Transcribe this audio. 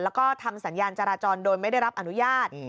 แล้วก็ทำสัญญาณจราจรโดยไม่ได้รับอนุญาต